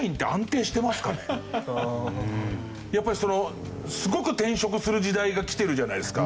やっぱりすごく転職する時代がきてるじゃないですか。